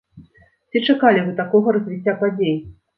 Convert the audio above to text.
Ці чакалі вы такога развіцця падзей?